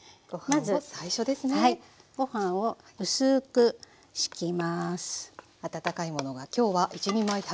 まずはいご飯を薄く敷きます。